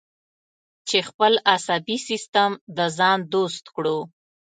چې خپل عصبي سیستم د ځان دوست کړو.